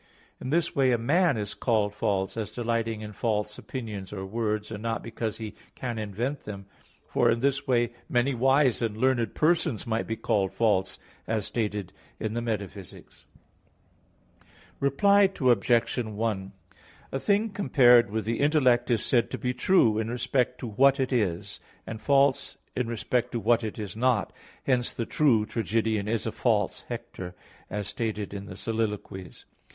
In this way a man is called false as delighting in false opinions or words, and not because he can invent them; for in this way many wise and learned persons might be called false, as stated in Metaph. v, 34. Reply Obj. 1: A thing compared with the intellect is said to be true in respect to what it is; and false in respect to what it is not. Hence, "The true tragedian is a false Hector," as stated in Soliloq. ii, 6.